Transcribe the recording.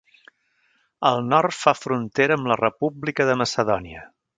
Al nord fa frontera amb la República de Macedònia.